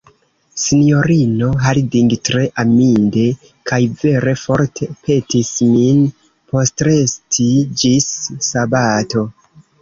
Sinjorino Harding tre aminde kaj vere forte petis min postresti ĝis sabato.